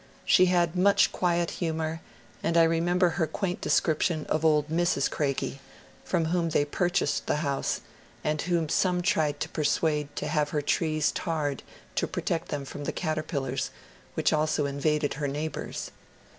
She had much quiet humour, and I remember her quaint description of old Mrs. Craigie, from whom they purchased the house, and whom some tried to persuade to have her trees tarred to protect them from the caterpillars, which also invaded her neighbours.